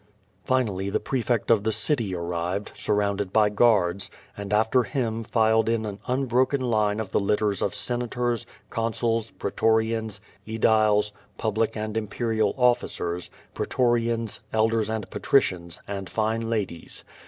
Finally the prefect of the city arrived, surrounded by guards, and after him filed in an unbroken line of the litters of senators, consuls, pretorians, ediles, public and im|ierial officers, pretorians, elders and petricians, and fine ladies.